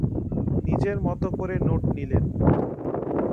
নিজের মত করে নোট নিলেন।